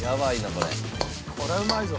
これはうまいぞ。